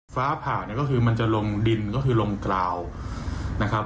ฟ้าผ่าเนี่ยก็คือมันจะลงดินก็คือลงกล่าวนะครับ